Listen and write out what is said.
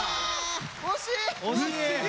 惜しい！